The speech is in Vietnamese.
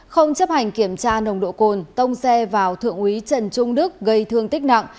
không chấp hành kiểm tra nồng độ cồn tông xe vào thượng úy trần trung đức gây thương tích nặng